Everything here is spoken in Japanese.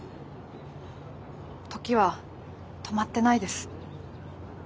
時は止まってないです。